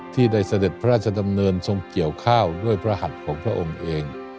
ที่ได้เสด็จพระราชดำเนินทรงเกี่ยวข้าวด้วยพระหัสของพระองค์เอง